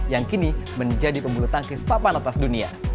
yang kini menjadi pembulu tangkis papan atas dunia